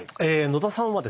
野田さんは。